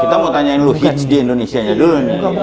kita mau tanyain lu hits di indonesia aja dulu nih